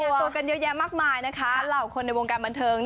มารายงานตัวกันเยอะแยะมากมายนะคะเหล่าในวงการบรรเทิง